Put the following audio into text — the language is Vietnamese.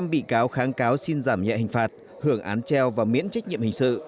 năm bị cáo kháng cáo xin giảm nhẹ hình phạt hưởng án treo và miễn trách nhiệm hình sự